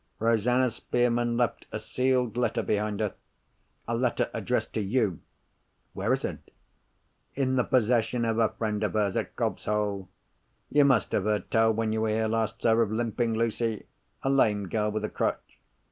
Rosanna Spearman left a sealed letter behind her—a letter addressed to you." "Where is it?" "In the possession of a friend of hers, at Cobb's Hole. You must have heard tell, when you were here last, sir, of Limping Lucy—a lame girl with a crutch."